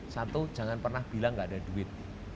satu jangan pernah bilang gak ada duit